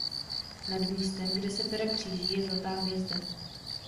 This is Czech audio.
Nad místem kde se pera kříží je zlatá hvězda.